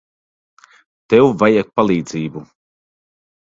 Tev vajag palīdzību.